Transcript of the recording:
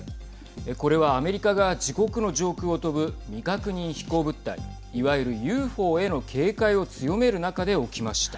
これはアメリカが自国の上空を飛ぶ未確認飛行物体いわゆるＵＦＯへの警戒を強める中で起きました。